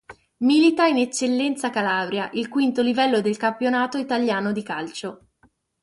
Milita in Eccellenza Calabria, il quinto livello del campionato italiano di calcio.